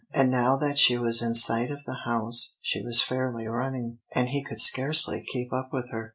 And now that she was in sight of the house, she was fairly running, and he could scarcely keep up with her.